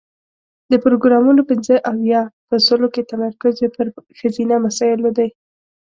د پروګرامونو پنځه اویا په سلو کې تمرکز یې پر ښځینه مسایلو دی.